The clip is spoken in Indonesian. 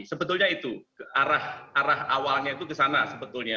sebetulnya itu arah awalnya itu kesana sebetulnya